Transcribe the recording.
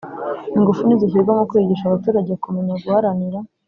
Ingufu nizishyirwe mu kwigisha abaturage kumenya guharanira